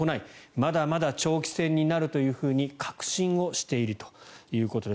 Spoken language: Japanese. まだまだ長期戦になると確信しているということです。